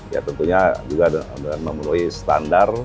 ya tentunya juga memenuhi standar